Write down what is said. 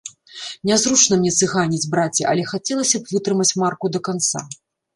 Нязручна мне цыганіць, браце, але хацелася б вытрымаць марку да канца.